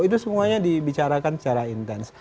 itu semuanya dibicarakan secara intens